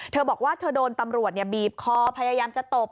เธอบอกว่าเธอโดนตำรวจบีบคอพยายามจะตบ